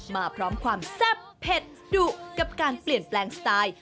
มาพร้อมความแซ่บเผ็ดดุกับการเปลี่ยนแปลงสไตล์